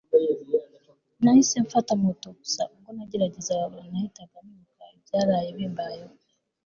nahise mfata motor gusa uko nageragezaga nahitaga nibuka ibyaraye bimbayeho